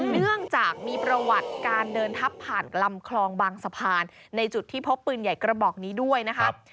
เนื่องจากมีประวัติการเดินทับผ่านลำคลองบางสะพานในจุดที่พบปืนใหญ่กระบอกนี้ด้วยนะครับ